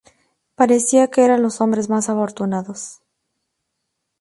Parecía que eran los hombres más afortunados.